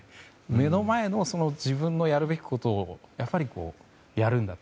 目の前の自分のやるべきことをやるんだと。